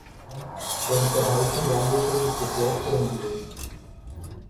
Sein Verhalten wandelte sich sofort grundlegend.